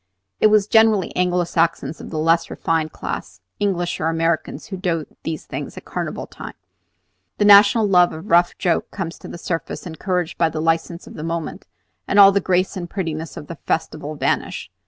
It is generally Anglo Saxons of the less refined class, English or Americans, who do these things at Carnival times. The national love of a rough joke comes to the surface, encouraged by the license of the moment, and all the grace and prettiness of the festival vanish.